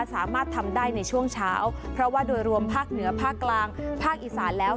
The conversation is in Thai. สามารถทำได้ในช่วงเช้าเพราะว่าโดยรวมภาคเหนือภาคกลางภาคอีสานแล้ว